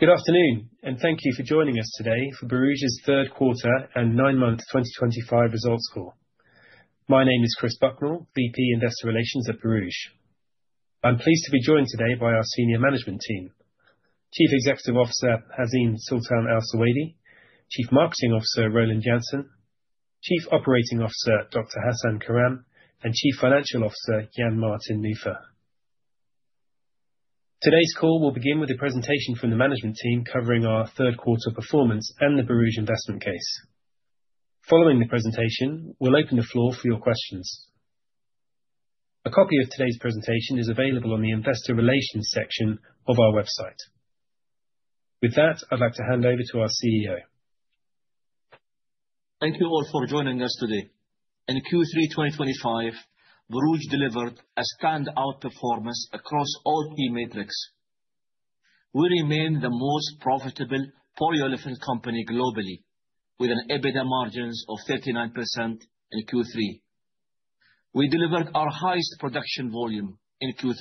Good afternoon, and thank you for joining us today for Borouge's Third Quarter And Nine-month 2025 Results call. My name is Chris Bucknall, VP Investor Relations at Borouge. I'm pleased to be joined today by our senior management team: Chief Executive Officer Hazeem Sultan Al Suwaidi, Chief Marketing Officer Roland Janssen, Chief Operating Officer Dr. Hasan Karam, and Chief Financial Officer Jan-Martin Nufer. Today's call will begin with a presentation from the management team covering our third-quarter performance and the Borouge investment case. Following the presentation, we'll open the floor for your questions. A copy of today's presentation is available on the Investor Relations section of our website. With that, I'd like to hand over to our CEO. Thank you all for joining us today. In Q3 2025, Borouge delivered a standout performance across all key metrics. We remain the most profitable polyolefin company globally, with an EBITDA margin of 39% in Q3. We delivered our highest production volume in Q3,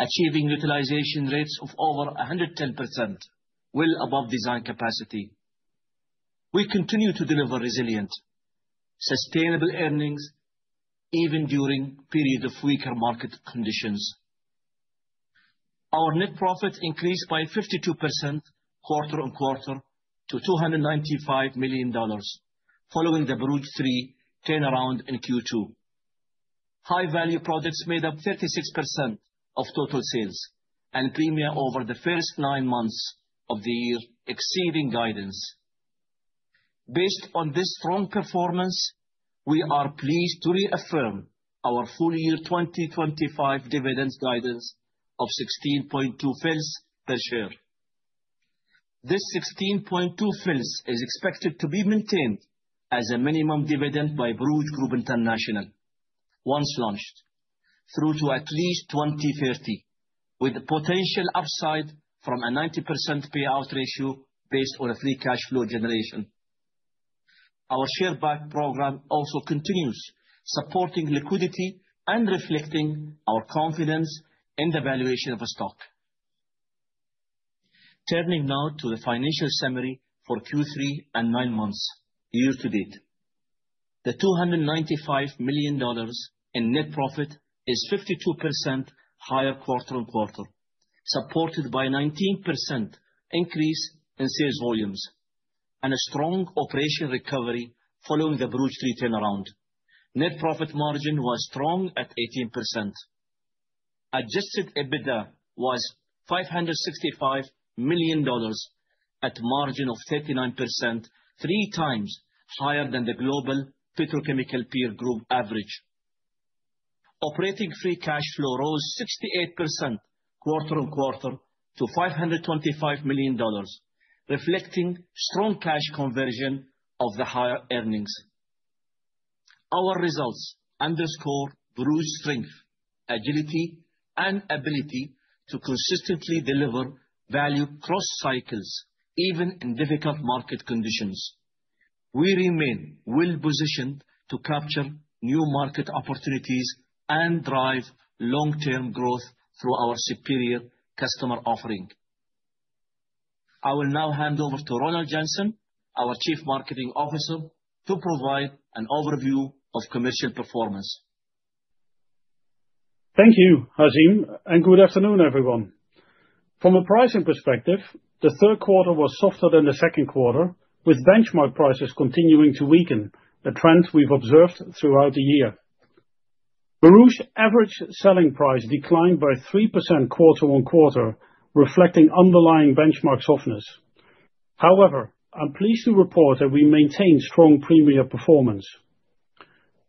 achieving utilization rates of over 110%, well above design capacity. We continue to deliver resilient, sustainable earnings even during periods of weaker market conditions. Our net profit increased by 52% quarter-on-quarter to $295 million, following the Borouge III turnaround in Q2. High-value products made up 36% of total sales, and PREMIer over the first nine months of the year exceeded guidance. Based on this strong performance, we are pleased to reaffirm our full-year 2025 dividend guidance of 16.2 fils per share. This 16.2 fils is expected to be maintained as a minimum dividend by Borouge Group International once launched, through to at least 2030, with potential upside from a 90% payout ratio based on a free cash flow generation. Our share back program also continues, supporting liquidity and reflecting our confidence in the valuation of the stock. Turning now to the financial summary for Q3 and nine months, year-to-date. The $295 million in net profit is 52% higher quarter-on-quarter, supported by a 19% increase in sales volumes and a strong operation recovery following the Borouge III turnaround. Net profit margin was strong at 18%. Adjusted EBITDA was $565 million at a margin of 39%, 3x higher than the global petrochemical peer group average. Operating free cash flow rose 68% quarter-on-quarter to $525 million, reflecting strong cash conversion of the higher earnings. Our results underscore Borouge's strength, agility, and ability to consistently deliver value across cycles, even in difficult market conditions. We remain well-positioned to capture new market opportunities and drive long-term growth through our superior customer offering. I will now hand over to Roland Janssen, our Chief Marketing Officer, to provide an overview of commercial performance. Thank you, Hazeem, and good afternoon, everyone. From a pricing perspective, the third quarter was softer than the second quarter, with benchmark prices continuing to weaken, a trend we've observed throughout the year. Borouge's average selling price declined by 3% quarter-on-quarter, reflecting underlying benchmark softness. However, I'm pleased to report that we maintained strong PREMIer performance.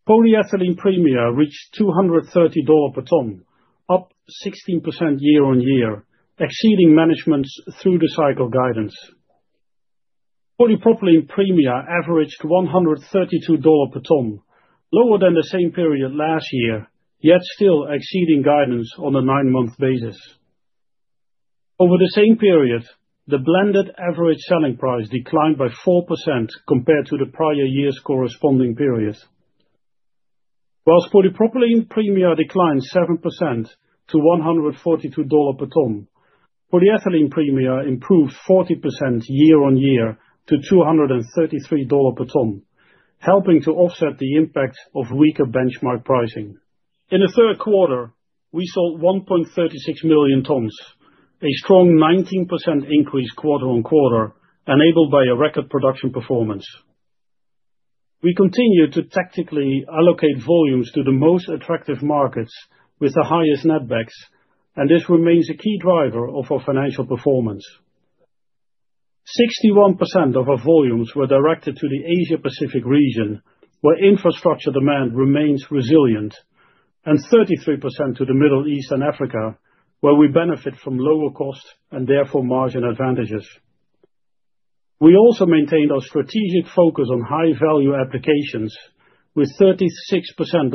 Polyethylene PREMIer reached $230 per ton, up 16% year-on-year, exceeding management's through-the-cycle guidance. Polypropylene PREMIer averaged $132 per ton, lower than the same period last year, yet still exceeding guidance on a nine-month basis. Over the same period, the blended average selling price declined by 4% compared to the prior year's corresponding period. Whilst polypropylene PREMIer declined 7% to $142 per ton, polyethylene PREMIer improved 40% year-on-year to $233 per ton, helping to offset the impact of weaker benchmark pricing. In the third quarter, we sold 1.36 million tons, a strong 19% increase quarter-on-quarter, enabled by our record production performance. We continue to tactically allocate volumes to the most attractive markets with the highest netbacks, and this remains a key driver of our financial performance. 61% of our volumes were directed to the Asia-Pacific region, where infrastructure demand remains resilient, and 33% to the Middle East and Africa, where we benefit from lower cost and therefore margin advantages. We also maintained our strategic focus on high-value applications, with 36%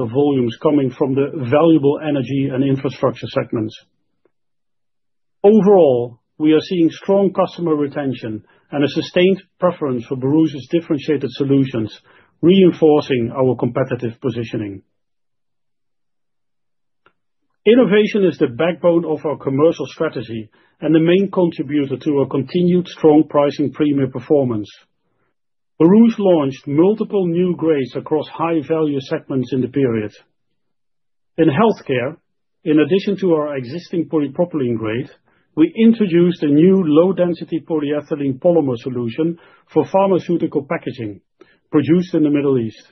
of volumes coming from the valuable energy and infrastructure segments. Overall, we are seeing strong customer retention and a sustained preference for Borouge's differentiated solutions, reinforcing our competitive positioning. Innovation is the backbone of our commercial strategy and the main contributor to our continued strong pricing PREMIer performance. Borouge launched multiple new grades across high-value segments in the period. In healthcare, in addition to our existing polypropylene grade, we introduced a new low-density polyethylene polymer solution for pharmaceutical packaging, produced in the Middle East.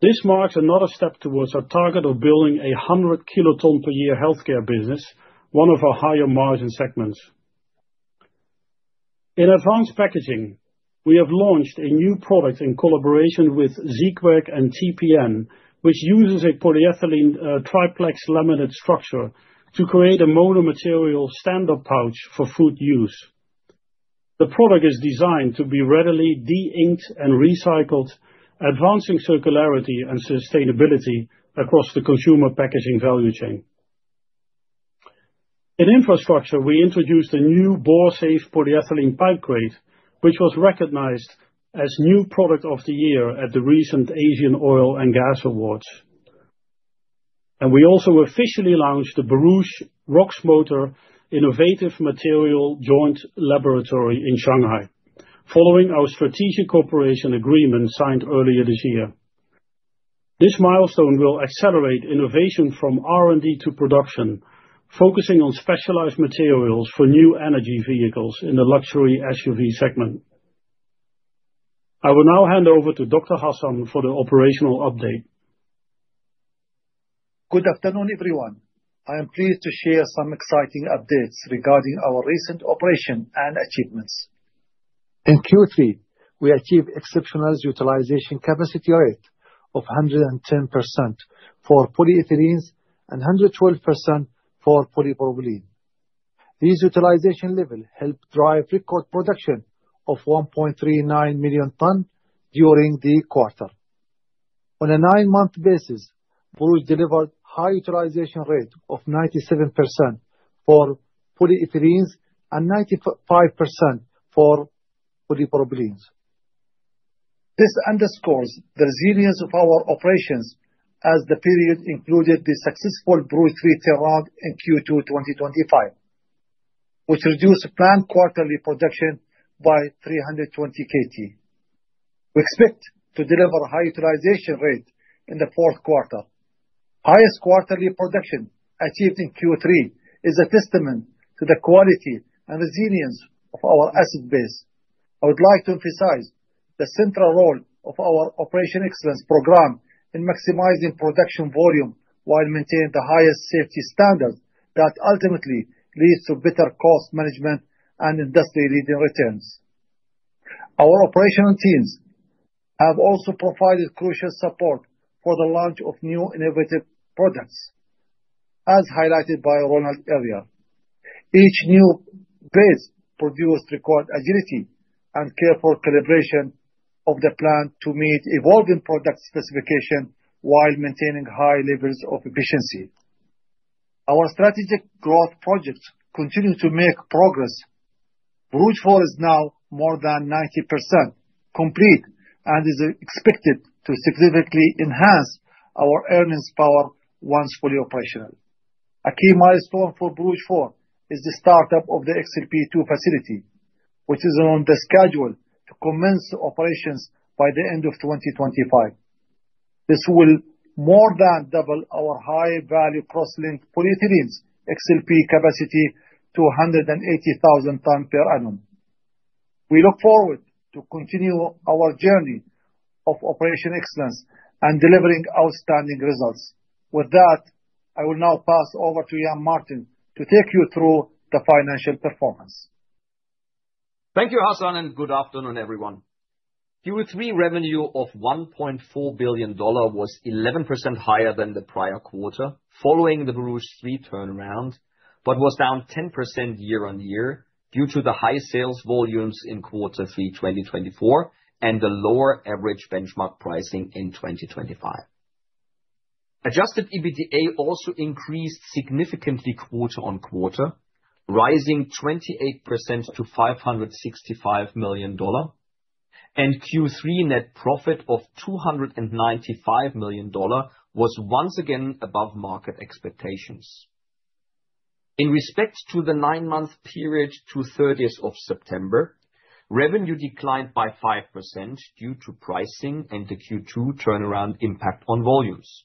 This marks another step towards our target of building a 100-kiloton-per-year healthcare business, one of our higher-margin segments. In advanced packaging, we have launched a new product in collaboration with ZQuirk and TPN, which uses a polyethylene triplex laminate structure to create a monomaterial standard pouch for food use. The product is designed to be readily de-inked and recycled, advancing circularity and sustainability across the consumer packaging value chain. In infrastructure, we introduced a new BorSafe polyethylene pipe grade, which was recognized as New Product of the Year at the recent Asian Oil and Gas Awards, and we also officially launched the Borouge-ROX Motor Innovative Material Joint Laboratory in Shanghai, following our strategic cooperation agreement signed earlier this year. This milestone will accelerate innovation from R&D to production, focusing on specialized materials for new energy vehicles in the luxury SUV segment. I will now hand over to Dr. Hasan for the operational update. Good afternoon, everyone. I am pleased to share some exciting updates regarding our recent operation and achievements. In Q3, we achieved exceptional utilization capacity rate of 110% for polyethylenes and 112% for polypropylene. These utilization levels helped drive record production of 1.39 million tons during the quarter. On a nine-month basis, Borouge delivered a high utilization rate of 97% for polyethylenes and 95% for polypropylenes. This underscores the resilience of our operations as the period included the successful Borouge III turnaround in Q2 2025, which reduced planned quarterly production by 320 kt. We expect to deliver a high utilization rate in the fourth quarter. The highest quarterly production achieved in Q3 is a testament to the quality and resilience of our asset base. I would like to emphasize the central role of our Operation Excellence Program in maximizing production volume while maintaining the highest safety standards that ultimately lead to better cost management and industry-leading returns. Our operational teams have also provided crucial support for the launch of new innovative products, as highlighted by Roland earlier. Each new base produced required agility and careful calibration of the plan to meet evolving product specifications while maintaining high levels of efficiency. Our strategic growth projects continue to make progress. Borouge 4 is now more than 90% complete and is expected to significantly enhance our earnings power once fully operational. A key milestone for Borouge 4 is the startup of the XLPE 2 facility, which is on the schedule to commence operations by the end of 2025. This will more than double our high-value cross-linked polyethylenes XLPE capacity to 180,000 tons per annum. We look forward to continuing our journey of Operation Excellence and delivering outstanding results. With that, I will now pass over to Jan-Martin to take you through the financial performance. Thank you, Hasan, and good afternoon, everyone. Q3 revenue of $1.4 billion was 11% higher than the prior quarter following the Borouge III turnaround, but was down 10% year-on-year due to the high sales volumes in Q3 2024 and the lower average benchmark pricing in 2025. Adjusted EBITDA also increased significantly quarter-on-quarter, rising 28% to $565 million, and Q3 net profit of $295 million was once again above market expectations. In respect to the nine-month period to 30th September, revenue declined by 5% due to pricing and the Q2 turnaround impact on volumes.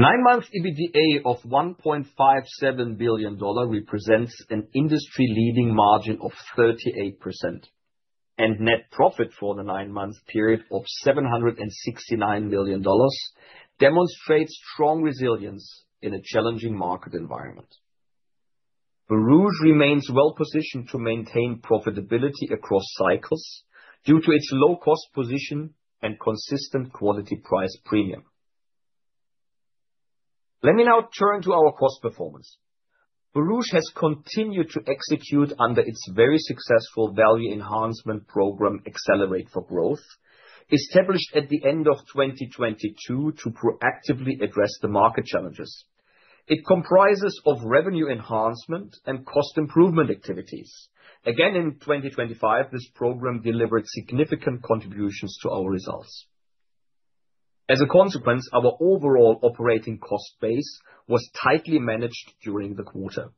Nine-month EBITDA of $1.57 billion represents an industry-leading margin of 38%, and net profit for the nine-month period of $769 million demonstrates strong resilience in a challenging market environment. Borouge remains well-positioned to maintain profitability across cycles due to its low-cost position and consistent quality-price premium. Let me now turn to our cost performance. Borouge has continued to execute under its very successful value enhancement program, Accelerate for Growth, established at the end of 2022 to proactively address the market challenges. It comprises of revenue enhancement and cost improvement activities. Again, in 2025, this program delivered significant contributions to our results. As a consequence, our overall operating cost base was tightly managed during the quarter.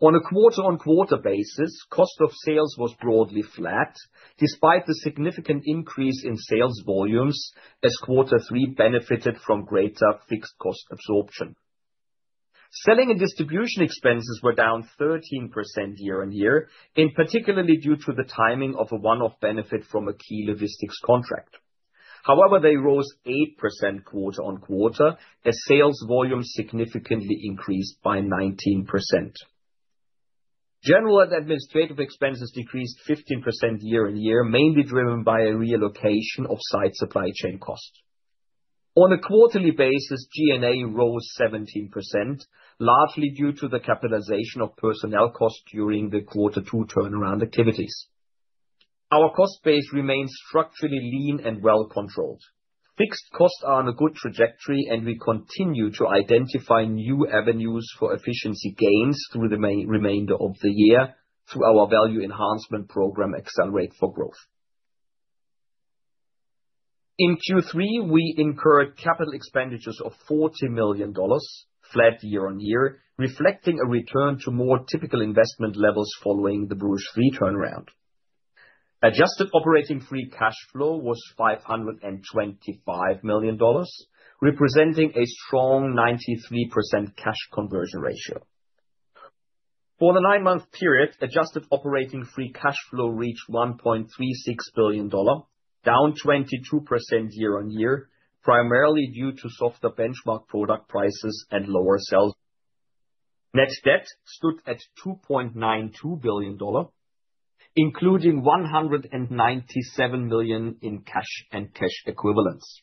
On a quarter-on-quarter basis, cost of sales was broadly flat, despite the significant increase in sales volumes as quarter three benefited from greater fixed cost absorption. Selling and distribution expenses were down 13% year-on-year, particularly due to the timing of a one-off benefit from a key logistics contract. However, they rose 8% quarter-on-quarter, as sales volume significantly increased by 19%. General and administrative expenses decreased 15% year-on-year, mainly driven by a reallocation of site supply chain cost. On a quarterly basis, G&A rose 17%, largely due to the capitalization of personnel cost during the quarter two turnaround activities. Our cost base remains structurally lean and well-controlled. Fixed costs are on a good trajectory, and we continue to identify new avenues for efficiency gains through the remainder of the year through our value enhancement program, Accelerate for Growth. In Q3, we incurred capital expenditures of $40 million, flat year-on-year, reflecting a return to more typical investment levels following the Borouge III turnaround. Adjusted operating free cash flow was $525 million, representing a strong 93% cash conversion ratio. For the nine-month period, adjusted operating free cash flow reached $1.36 billion, down 22% year-on-year, primarily due to softer benchmark product prices and lower sales. Net debt stood at $2.92 billion, including $197 million in cash and cash equivalents.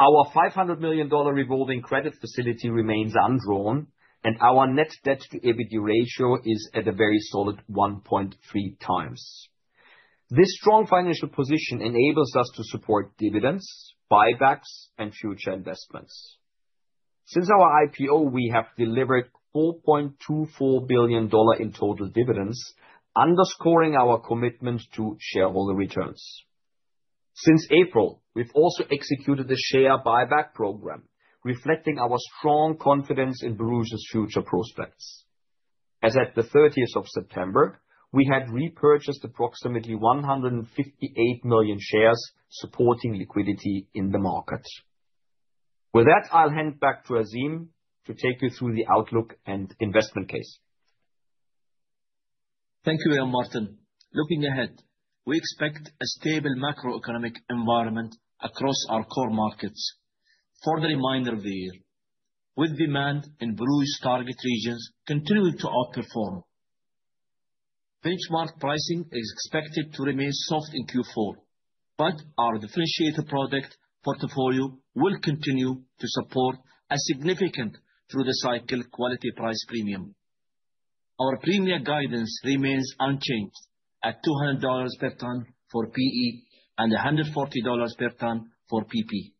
Our $500 million revolving credit facility remains undrawn, and our net debt-to-EBITDA ratio is at a very solid 1.3x. This strong financial position enables us to support dividends, buybacks, and future investments. Since our IPO, we have delivered $4.24 billion in total dividends, underscoring our commitment to shareholder returns. Since April, we've also executed the share buyback program, reflecting our strong confidence in Borouge's future prospects. As at the 30th of September, we had repurchased approximately 158 million shares, supporting liquidity in the market. With that, I'll hand back to Hazeem to take you through the outlook and investment case. Thank you, Jan-Martin. Looking ahead, we expect a stable macroeconomic environment across our core markets. For the remainder of the year, with demand in Borouge's target regions continuing to outperform, benchmark pricing is expected to remain soft in Q4, but our differentiated product portfolio will continue to support a significant through-the-cycle quality-price premium. Our premium guidance remains unchanged at $200 per ton for PE and $140 per ton for PP.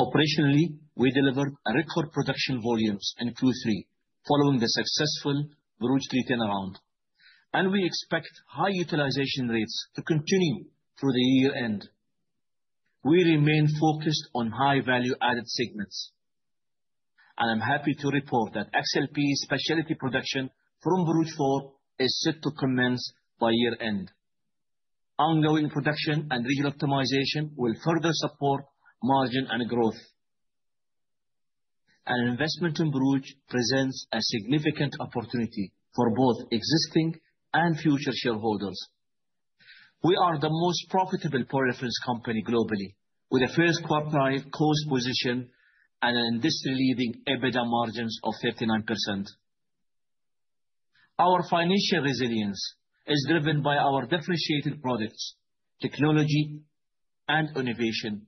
Operationally, we delivered record production volumes in Q3 following the successful Borouge III turnaround, and we expect high utilization rates to continue through the year-end. We remain focused on high-value-added segments, and I'm happy to report that XLPE specialty production from Borouge 4 is set to commence by year-end. Ongoing production and regional optimization will further support margin and growth, and investment in Borouge presents a significant opportunity for both existing and future shareholders. We are the most profitable polyolefins company globally, with a first-quartile cost position and an industry-leading EBITDA margin of 39%. Our financial resilience is driven by our differentiated products, technology, and innovation.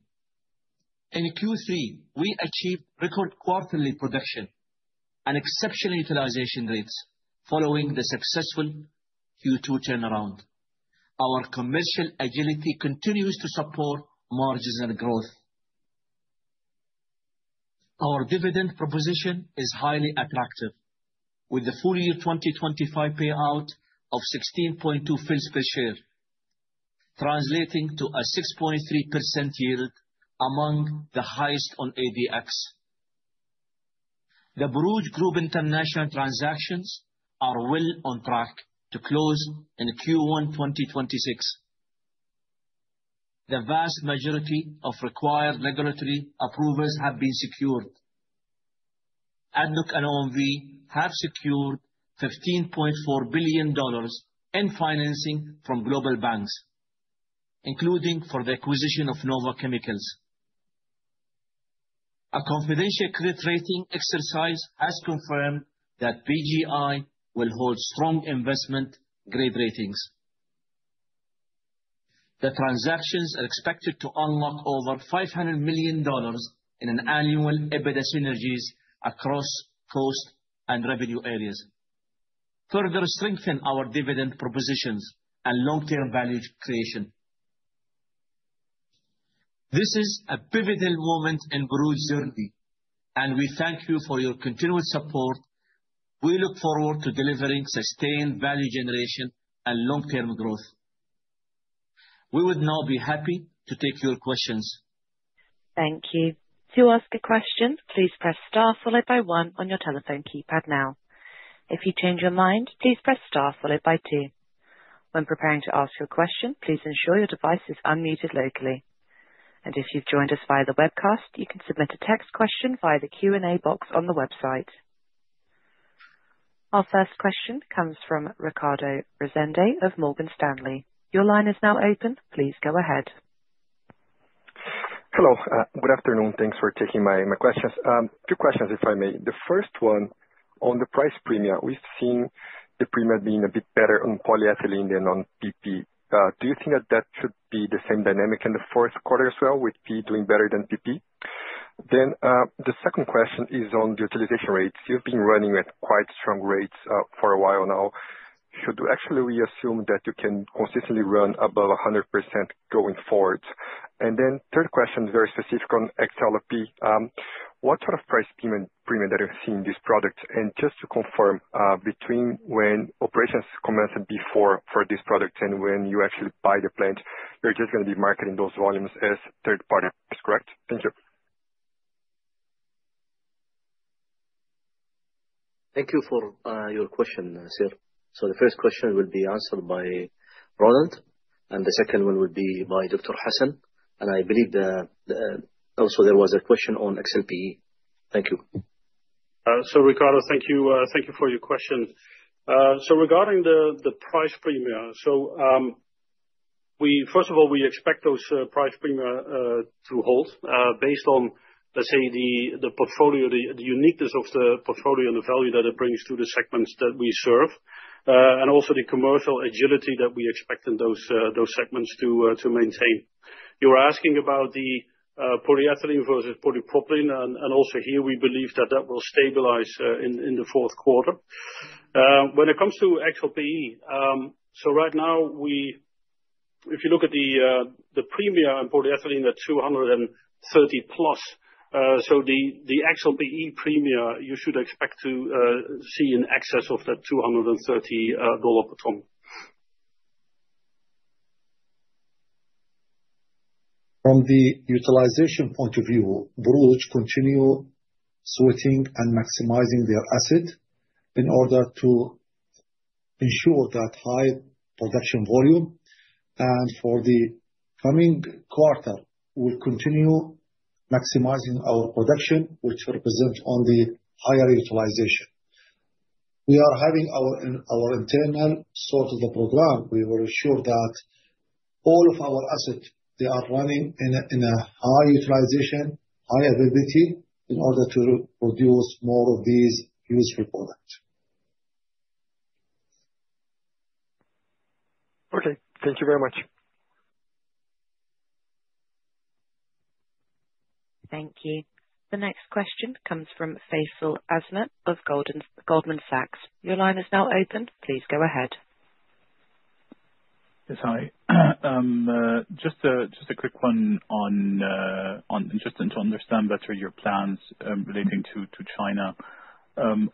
In Q3, we achieved record quarterly production and exceptional utilization rates following the successful Q2 turnaround. Our commercial agility continues to support marginal growth. Our dividend proposition is highly attractive, with the full-year 2025 payout of 16.2 fils per share, translating to a 6.3% yield among the highest on ADX. The Borouge Group International transactions are well on track to close in Q1 2026. The vast majority of required regulatory approvals have been secured. ADNOC and OMV have secured $15.4 billion in financing from global banks, including for the acquisition of NOVA Chemicals. A confidential credit rating exercise has confirmed that BGI will hold strong investment-grade ratings. The transactions are expected to unlock over $500 million in annual EBITDA synergies across cost and revenue areas, further strengthening our dividend propositions and long-term value creation. This is a pivotal moment in Borouge's journey, and we thank you for your continued support. We look forward to delivering sustained value generation and long-term growth. We would now be happy to take your questions. Thank you. To ask a question, please press star followed by one on your telephone keypad now. If you change your mind, please press star followed by two. When preparing to ask your question, please ensure your device is unmuted locally, and if you've joined us via the webcast, you can submit a text question via the Q&A box on the website. Our first question comes from Ricardo Rezende of Morgan Stanley. Your line is now open. Please go ahead. Hello. Good afternoon. Thanks for taking my questions. Two questions, if I may. The first one, on the price premium, we've seen the premium being a bit better on polyethylene than on PP. Do you think that that should be the same dynamic in the fourth quarter as well, with P doing better than PP? Then the second question is on the utilization rates. You've been running at quite strong rates for a while now. Should actually we assume that you can consistently run above 100% going forward? And then third question, very specific on XLPE. What sort of price premium that you've seen in these products? And just to confirm, between when operations commence at B4 for these products and when you actually buy the plant, you're just going to be marketing those volumes as third-party products, correct? Thank you. Thank you for your question. So the first question will be answered by Roland, and the second one will be by Dr. Hasan. And I believe also there was a question on XLPE. Thank you. So Ricardo, thank you for your question. So regarding the price premium, so first of all, we expect those price premiums to hold based on, let's say, the portfolio, the uniqueness of the portfolio and the value that it brings to the segments that we serve, and also the commercial agility that we expect in those segments to maintain. You were asking about the polyethylene versus polypropylene, and also here we believe that that will stabilize in the fourth quarter. When it comes to XLPE, so right now, if you look at the premium and polyethylene, they're 230+. So the XLPEE PREMIer, you should expect to see an excess of that $230 per ton. From the utilization point of view, Borouge continue sweating and maximizing their asset in order to ensure that high production volume, and for the coming quarter, we'll continue maximizing our production, which represents on the higher utilization. We are having our internal sort of the program. We will ensure that all of our assets, they are running in a high utilization, high availability in order to produce more of these useful products. Okay. Thank you very much. Thank you. The next question comes from Faisal Azmat of Goldman Sachs. Your line is now open. Please go ahead. Yes, hi. Just a quick one on just to understand better your plans relating to China.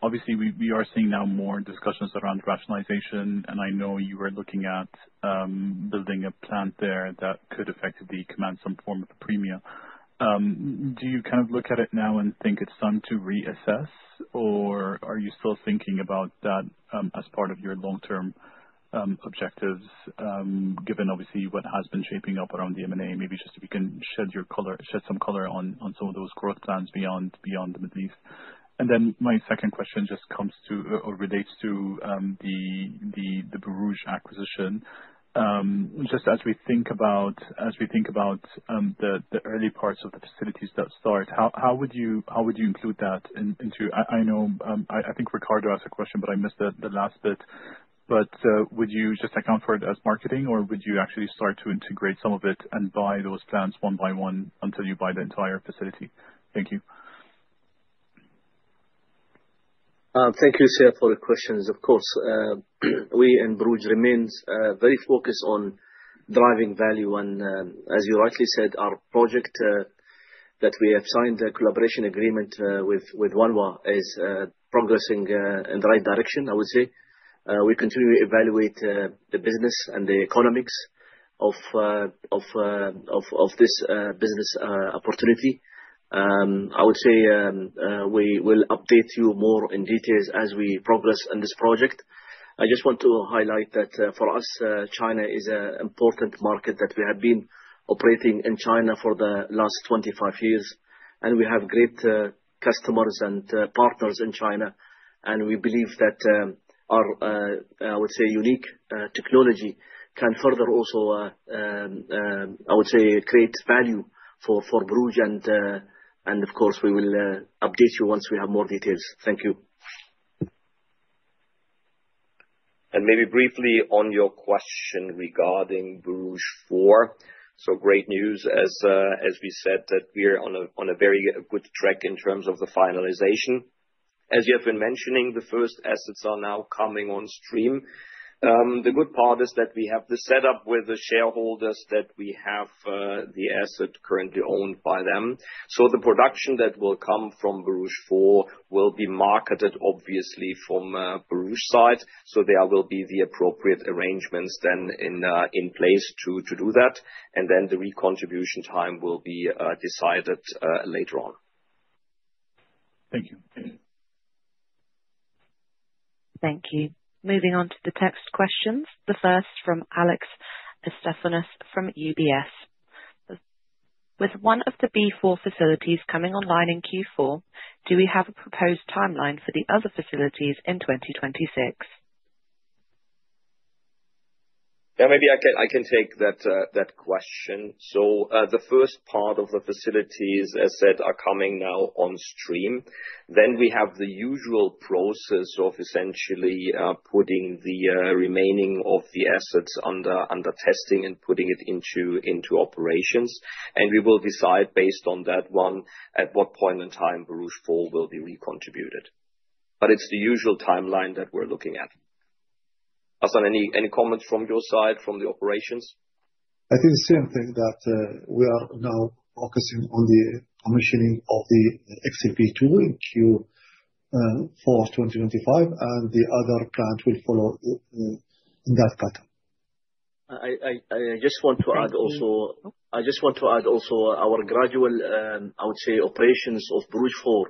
Obviously, we are seeing now more discussions around rationalization, and I know you were looking at building a plant there that could effectively command some form of a premium. Do you kind of look at it now and think it's time to reassess, or are you still thinking about that as part of your long-term objectives, given obviously what has been shaping up around the M&A? Maybe just if you can shed some color on some of those growth plans beyond the Middle East. And then my second question just comes to or relates to the Borouge acquisition. Just as we think about the early parts of the facilities that start, how would you include that into? I know, I think Ricardo asked a question, but I missed the last bit, but would you just account for it as marketing, or would you actually start to integrate some of it and buy those plants one by one until you buy the entire facility? Thank you. Thank you, Hasan, for the questions. Of course, we in Borouge remain very focused on driving value, and as you rightly said, our project that we have signed a collaboration agreement with Onewa is progressing in the right direction, I would say. We continue to evaluate the business and the economics of this business opportunity. I would say we will update you more in details as we progress on this project. I just want to highlight that for us, China is an important market that we have been operating in China for the last 25 years, and we have great customers and partners in China, and we believe that our, I would say, unique technology can further also, I would say, create value for Borouge, and of course, we will update you once we have more details. Thank you. Maybe briefly on your question regarding Borouge 4. Great news, as we said, that we're on a very good track in terms of the finalization. As you have been mentioning, the first assets are now coming on stream. The good part is that we have the setup with the shareholders that we have the asset currently owned by them. The production that will come from Borouge 4 will be marketed, obviously, from Borouge's side. There will be the appropriate arrangements then in place to do that. Then the recontribution time will be decided later on. Thank you. Thank you. Moving on to the text questions. The first from Alex Estefanos from UBS. With one of the B4 facilities coming online in Q4, do we have a proposed timeline for the other facilities in 2026? Yeah, maybe I can take that question. So the first part of the facilities, as said, are coming now on stream. Then we have the usual process of essentially putting the remaining of the assets under testing and putting it into operations. And we will decide based on that one at what point in time Borouge 4 will be recontributed. But it's the usual timeline that we're looking at. Hasan, any comments from your side, from the operations? I think the same thing that we are now focusing on the commissioning of the XLPE 2 in Q4 2025, and the other plant will follow in that pattern. I just want to add also our gradual, I would say, operations of Borouge 4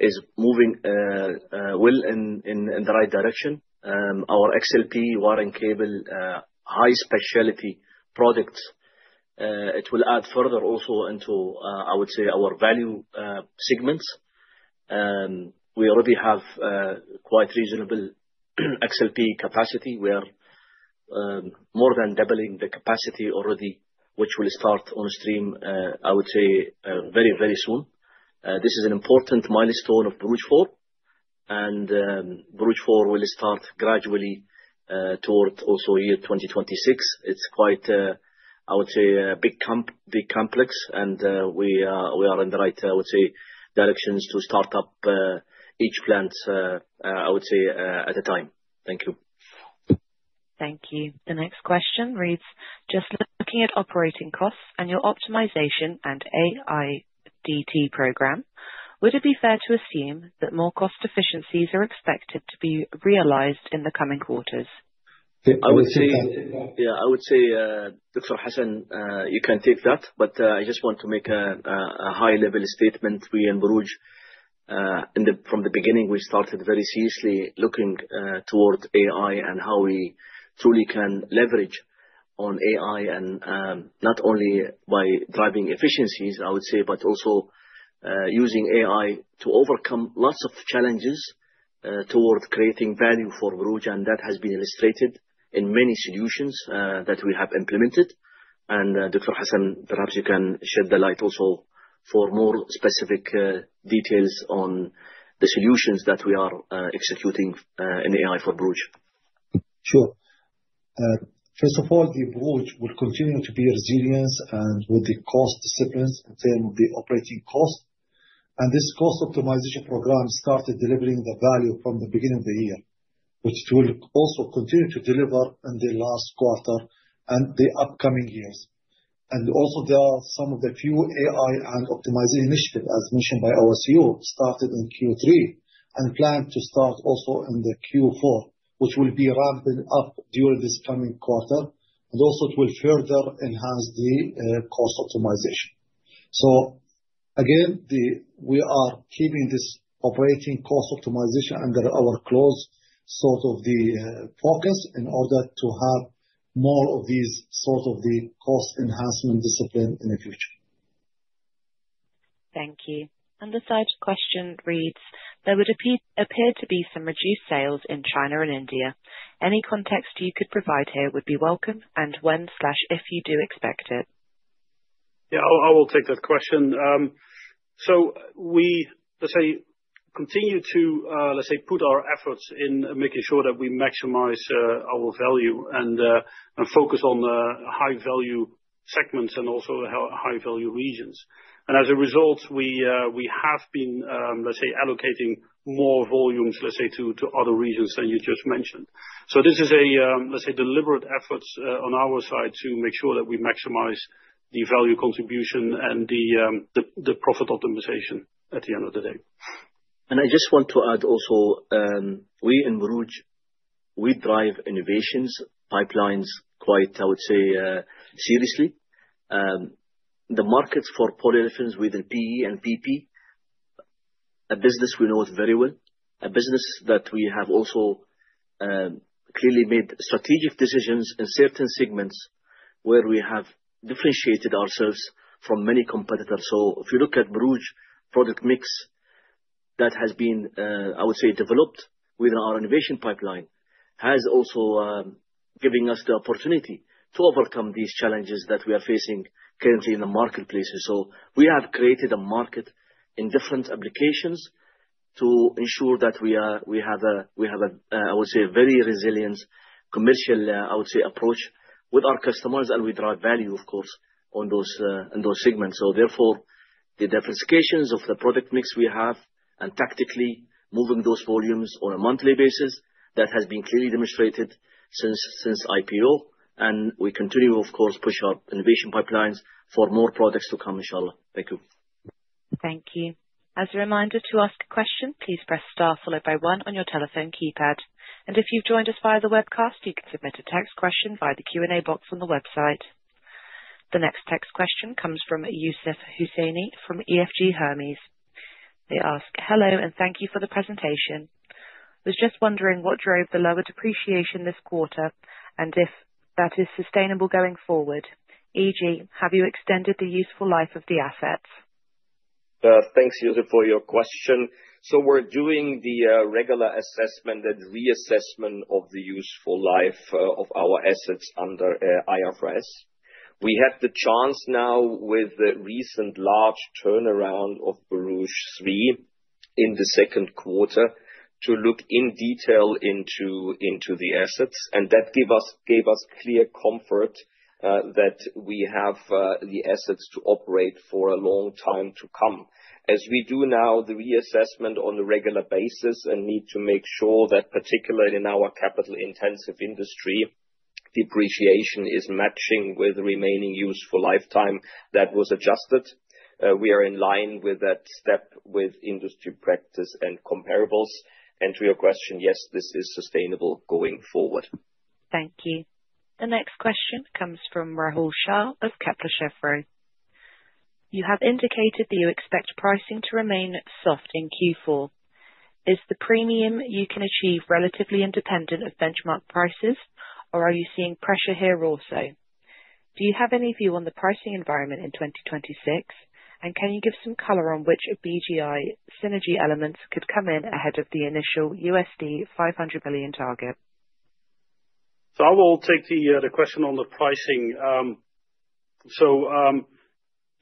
is moving well in the right direction. Our XLPE wiring cable, high specialty products, it will add further also into, I would say, our value segments. We already have quite reasonable XLPE capacity. We are more than doubling the capacity already, which will start on stream, I would say, very, very soon. This is an important milestone of Borouge 4, and Borouge 4 will start gradually towards also year 2026. It's quite, I would say, a big complex, and we are in the right, I would say, directions to start up each plant, I would say, at a time. Thank you. Thank you. The next question reads, Just looking at operating costs and your optimization and AIDT program, would it be fair to assume that more cost efficiencies are expected to be realized in the coming quarters? I would say, yeah, I would say, Dr. Hasan, you can take that, but I just want to make a high-level statement. We in Borouge, from the beginning, we started very seriously looking towards AI and how we truly can leverage on AI, and not only by driving efficiencies, I would say, but also using AI to overcome lots of challenges towards creating value for Borouge, and that has been illustrated in many solutions that we have implemented, and Dr. Hasan, perhaps you can shed the light also for more specific details on the solutions that we are executing in AI for Borouge. Sure. First of all, the Borouge will continue to be resilient and with the cost disciplines in terms of the operating cost, and this cost optimization program started delivering the value from the beginning of the year, which it will also continue to deliver in the last quarter and the upcoming years, and also some of the few AI and optimization initiatives, as mentioned by OSU, started in Q3 and plan to start also in the Q4, which will be ramping up during this coming quarter, and also it will further enhance the cost optimization, so again, we are keeping this operating cost optimization under our close sort of the focus in order to have more of these sort of the cost enhancement discipline in the future. Thank you. And the third question reads, There would appear to be some reduced sales in China and India. Any context you could provide here would be welcome, and when/if you do expect it? Yeah, I will take that question. So we, let's say, continue to, let's say, put our efforts in making sure that we maximize our value and focus on high-value segments and also high-value regions. And as a result, we have been, let's say, allocating more volumes, let's say, to other regions than you just mentioned. So this is a, let's say, deliberate effort on our side to make sure that we maximize the value contribution and the profit optimization at the end of the day. And I just want to add also, we in Borouge, we drive innovations pipelines quite, I would say, seriously. The market for polyethylene within PE and PP, a business we know it very well, a business that we have also clearly made strategic decisions in certain segments where we have differentiated ourselves from many competitors, so if you look at Borouge product mix that has been, I would say, developed within our innovation pipeline, has also given us the opportunity to overcome these challenges that we are facing currently in the marketplaces, so we have created a market in different applications to ensure that we have, I would say, a very resilient commercial, I would say, approach with our customers, and we drive value, of course, in those segments. So therefore, the diversifications of the product mix we have and tactically moving those volumes on a monthly basis, that has been clearly demonstrated since IPO. And we continue, of course, push our innovation pipelines for more products to come, inshallah. Thank you. Thank you. As a reminder to ask a question, please press star followed by one on your telephone keypad, and if you've joined us via the webcast, you can submit a text question via the Q&A box on the website. The next text question comes from Yousef Husseini from EFG Hermes. They ask, "Hello and thank you for the presentation. I was just wondering what drove the lower depreciation this quarter and if that is sustainable going forward, e.g., have you extended the useful life of the assets? Thanks, Yousef, for your question. So we're doing the regular assessment and reassessment of the useful life of our assets under IFRS. We had the chance now with the recent large turnaround of Borouge III in the second quarter to look in detail into the assets. And that gave us clear comfort that we have the assets to operate for a long time to come. As we do now the reassessment on a regular basis and need to make sure that particularly in our capital-intensive industry, depreciation is matching with the remaining useful lifetime that was adjusted. We are in line with that step with industry practice and comparables. And to your question, yes, this is sustainable going forward. Thank you. The next question comes from Rahul Shah of Kepler Chevreux. You have indicated that you expect pricing to remain soft in Q4. Is the premium you can achieve relatively independent of benchmark prices, or are you seeing pressure here also? Do you have any view on the pricing environment in 2026? And can you give some color on which BGI synergy elements could come in ahead of the initial $500 million target? So I will take the question on the pricing. So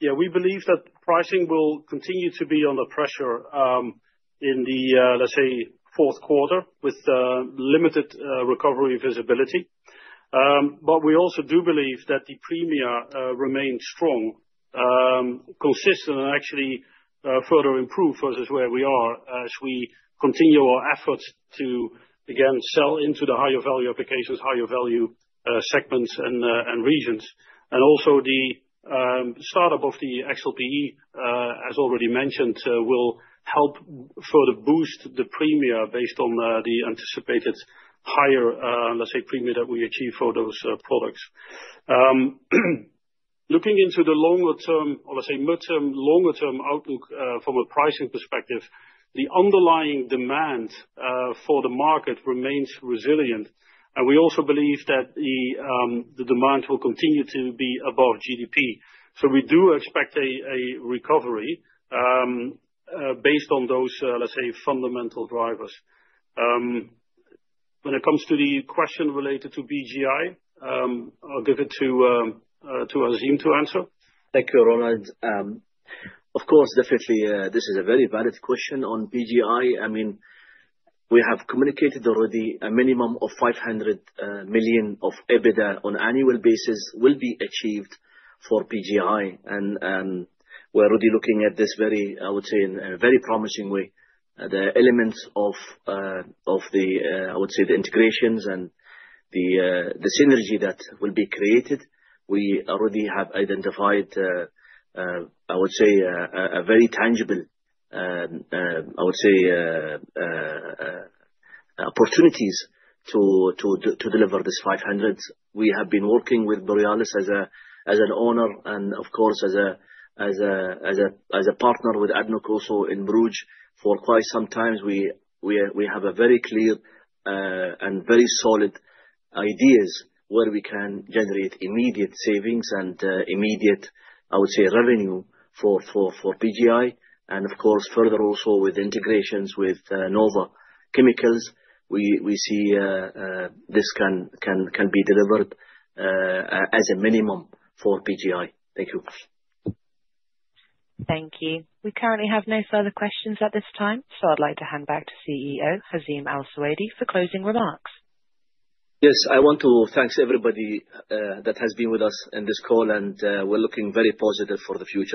yeah, we believe that pricing will continue to be under pressure in the, let's say, fourth quarter with limited recovery visibility. But we also do believe that the premium remains strong, consistent, and actually further improved versus where we are as we continue our efforts to, again, sell into the higher value applications, higher value segments and regions. And also the startup of the XLPE, as already mentioned, will help further boost the premium based on the anticipated higher, let's say, premium that we achieve for those products. Looking into the longer term, or let's say midterm, longer term outlook from a pricing perspective, the underlying demand for the market remains resilient. And we also believe that the demand will continue to be above GDP. So we do expect a recovery based on those, let's say, fundamental drivers. When it comes to the question related to BGI, I'll give it to Hazeem to answer. Thank you, Roland. Of course, definitely, this is a very valid question on BGI. I mean, we have communicated already a minimum of $500 million of EBITDA on an annual basis will be achieved for BGI. And we're already looking at this very, I would say, in a very promising way. The elements of the, I would say, the integrations and the synergy that will be created, we already have identified, I would say, a very tangible, I would say, opportunities to deliver this $500 million. We have been working with Borealis as an owner and, of course, as a partner with ADNOC also in Borouge for quite some time. We have very clear and very solid ideas where we can generate immediate savings and immediate, I would say, revenue for BGI. Of course, further also with integrations with NOVA Chemicals, we see this can be delivered as a minimum for BGI. Thank you. Thank you. We currently have no further questions at this time, so I'd like to hand back to CEO Hazeem Al Suwaidi for closing remarks. Yes, I want to thank everybody that has been with us in this call, and we're looking very positive for the future.